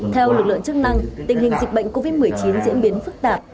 theo lực lượng chức năng tình hình dịch bệnh covid một mươi chín diễn biến phức tạp